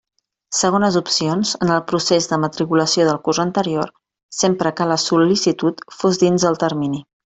Segones opcions, en el procés de matriculació del curs anterior, sempre que la sol·licitud fos dins de termini.